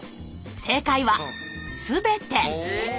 正解は全て。